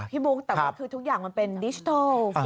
บุ๊คแต่ว่าคือทุกอย่างมันเป็นดิจิทัล